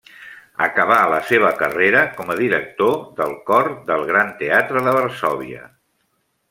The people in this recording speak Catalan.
Acabà la seva carrera com a director del cor del Gran Teatre de Varsòvia.